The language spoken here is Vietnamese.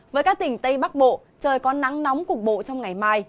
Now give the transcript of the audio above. với các tỉnh tây bắc bộ trời có nắng nóng cục bộ trong ngày mai